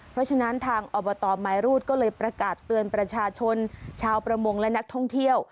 เพราะฉะนั้นทางอบตมายรูดก็เลยประกาศเตือนประชาชนชาวประมงและนักท่องเที่ยว